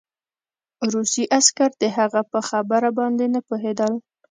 روسي عسکر د هغه په خبره باندې نه پوهېدل